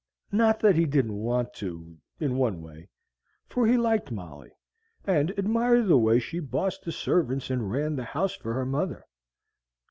Not that he didn't want to, in one way; for he liked Molly, and admired the way she bossed the servants and ran the house for her mother.